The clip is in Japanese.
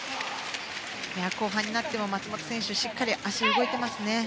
後半になっても松本選手はしっかりと足が動いていますね。